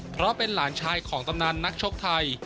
เพราะเป็นหลานชายของตำนานนักชกไทย